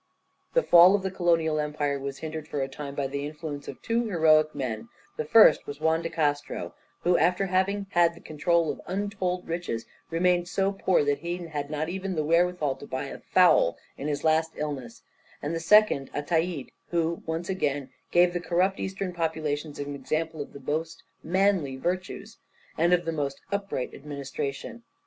The fall of the colonial empire was hindered for a time by the influence of two heroic men, the first was Juan de Castro, who after having had the control of untold riches, remained so poor that he had not even the wherewithal to buy a fowl in his last illness; and the second, Ataïde, who once again gave the corrupt eastern populations an example of the most manly virtues, and of the most upright administration.